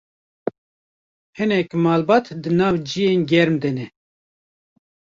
hinek malbat di nav cihên germ de ne